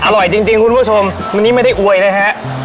อร่อยจริงคุณผู้ชมวันนี้ไม่ได้อวยนะฮะ